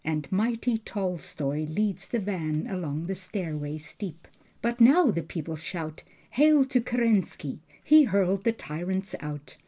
And mighty Tolstoi leads the van along the stairway steep. But now the people shout: "Hail to Kerensky, He hurled the tyrants out."